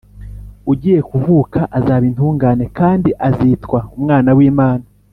ugiye kuvuka azaba intungane kandi azitwa umwana w’imana